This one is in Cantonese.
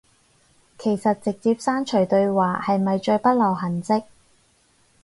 其實直接刪除對話係咪最不留痕跡